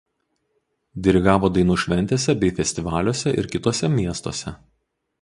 Dirigavo dainų šventėse bei festivaliuose ir kituose miestuose.